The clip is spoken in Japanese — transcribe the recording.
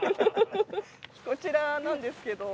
こちらなんですけど。